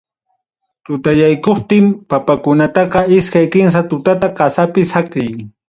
Tutayaykuptin, papakunataqa iskay kimsa tutata qasapi saqiy.